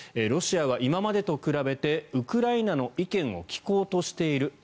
ロシアは今までと比べてウクライナの意見を聞こうとしている。